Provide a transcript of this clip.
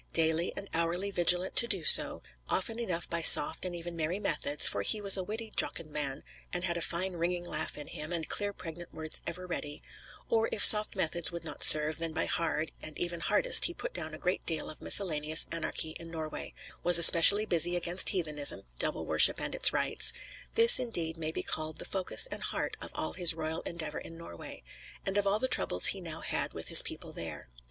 Daily and hourly vigilant to do so, often enough by soft and even merry methods, for he was a witty, jocund man, and had a fine ringing laugh in him, and clear pregnant words ever ready, or if soft methods would not serve, then by hard, and even hardest, he put down a great deal of miscellaneous anarchy in Norway; was especially busy against heathenism (devil worship and its rites): this, indeed, may be called the focus and heart of all his royal endeavor in Norway, and of all the troubles he now had with his people there.